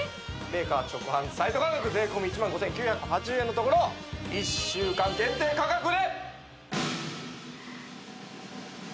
メーカー直販サイト価格税込１万５９８０円のところ１週間限定価格で！